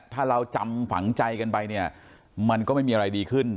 ถ้าเราจำฝังใจกันไปเนี่ยมันก็ไม่มีอะไรดีขึ้น